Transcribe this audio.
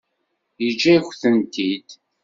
Yeǧǧa-yak-tent-id?